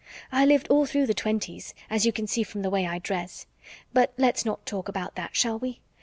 "I lived all through the Twenties, as you can see from the way I dress. But let's not talk about that, shall we?